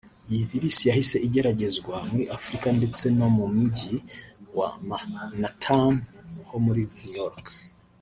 Iyi virus yahise igeragerezwa muri Afurika ndetse no mu Mujyi wa Manhattan ho muri New York